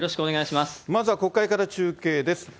まずは国会から中継です。